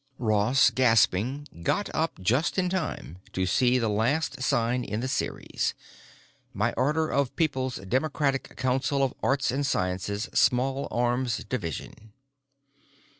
Ross, gasping, got up just in time to see the last sign in the series: "By order of People's Democratic Council Of Arts & Sciences, Small Arms Division."